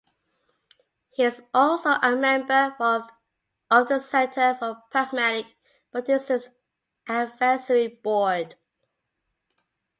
He is also a member of the Center for Pragmatic Buddhism's Advisory Board.